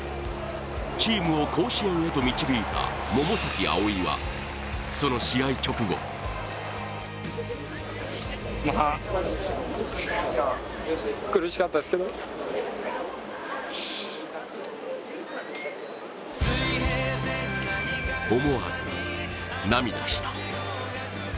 チームを甲子園へと導いた百崎蒼生は、その試合直後思わず涙した。